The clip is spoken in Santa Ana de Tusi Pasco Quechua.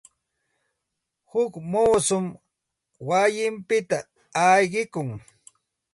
Huk muusum wayinpita ayqikun.